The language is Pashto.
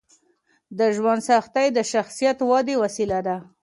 د ژوند سختۍ د شخصیت ودې وسیله ده.